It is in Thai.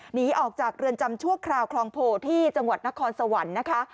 หนีออกจากเรือนจำชั่วคราวคลองโพที่จังหวัดนครสวรรค์นะคะ